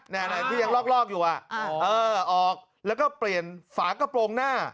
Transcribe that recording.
ที่ยังลอกอยู่ออกแล้วก็เปลี่ยนฝากระโปรงหน้า